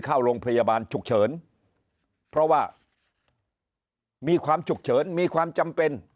เข้าโรงพยาบาลฉุกเฉินเพราะว่ามีความฉุกเฉินมีความจำเป็น